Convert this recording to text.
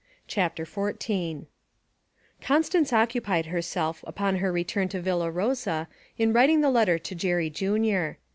CHAPTER XIV Constance occupied herself upon their return to Villa Rosa in writing the letter to Jerry Junior.